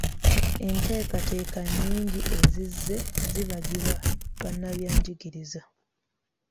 Enteekateeka nnyingi ezizze zibagibwa bannabyanjigiriza.